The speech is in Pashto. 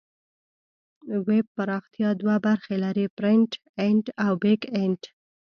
ویب پراختیا دوه برخې لري: فرنټ اینډ او بیک اینډ.